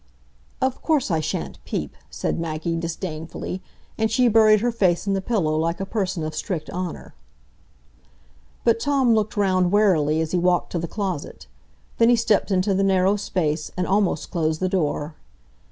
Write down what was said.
"Of course I sha'n't peep," said Maggie, disdainfully; and she buried her face in the pillow like a person of strict honour. But Tom looked round warily as he walked to the closet; then he stepped into the narrow space, and almost closed the door.